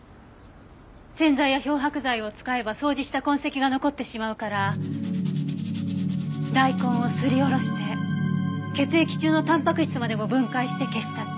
洗剤や漂白剤を使えば掃除した痕跡が残ってしまうから大根をすりおろして血液中のタンパク質までも分解して消し去った。